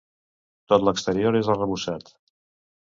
Tot l'exterior és arrebossat.